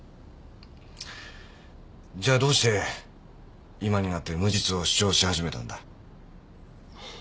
じゃあどうして今になって無実を主張し始めたんだ？